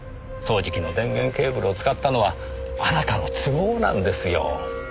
掃除機の電源ケーブルを使ったのはあなたの都合なんですよ。